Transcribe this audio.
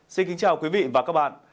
xin kính chào quý vị và các bạn